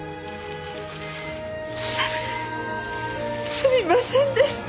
すみませんでした。